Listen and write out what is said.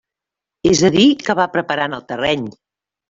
És a dir que va preparant el terreny.